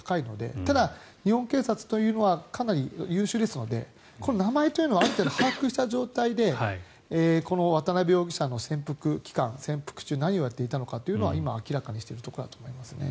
ただ日本警察というのはかなり優秀ですので名前というのはある程度、把握した状態でこの渡邉容疑者の潜伏期間、潜伏中に何をやっていたのかというのを今、明らかにしているところだと思います。